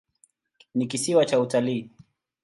Ni kisiwa cha utalii.